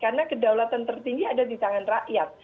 karena kedaulatan tertinggi adalah rakyat